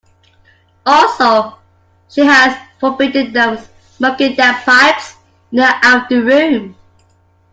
Also, she has forbidden them smoking their pipes in the after-room.